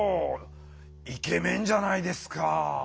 イケメンじゃないですか。